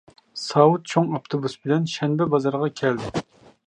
ساۋۇت چوڭ ئاپتوبۇس بىلەن شەنبە بازارغا كەلدى.